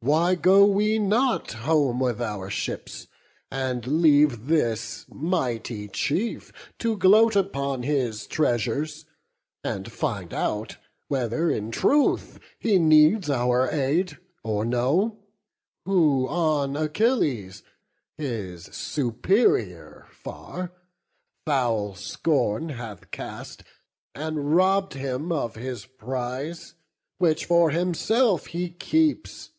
why go we not Home with our ships, and leave this mighty chief To gloat upon his treasures, and find out Whether in truth he need our aid, or no; Who on Achilles, his superior far, Foul scorn hath cast, and robb'd him of his prize, Which for himself he keeps?